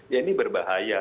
ya ini berbahaya